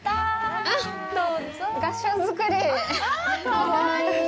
かわいい。